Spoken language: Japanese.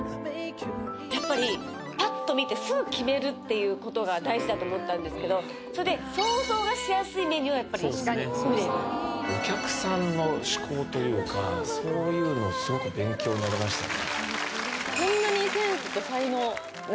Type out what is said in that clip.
やっぱりパッと見てすぐ決めるっていうことが大事だと思ったんですけどそれで想像がしやすいメニューがやっぱりお客さんの思考というかそういうのスゴく勉強になりましたね